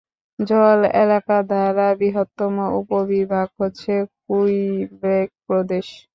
জল এলাকা দ্বারা বৃহত্তম উপবিভাগ হচ্ছে কুইবেক প্রদেশ।